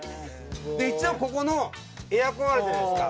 一応ここのエアコンあるじゃないですか。